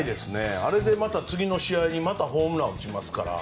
あれでまた次の試合にまたホームラン打ちますから。